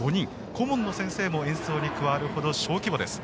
顧問の先生も演奏に加わるほど小規模です。